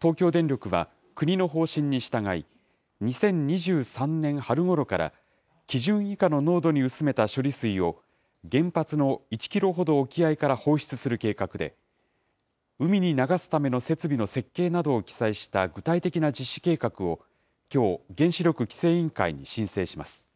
東京電力は、国の方針に従い、２０２３年春ごろから基準以下の濃度に薄めた処理水を、原発の１キロほど沖合から放出する計画で、海に流すための設備の設計などを記載した具体的な実施計画をきょう、原子力規制委員会に申請します。